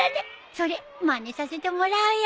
それまねさせてもらうよ。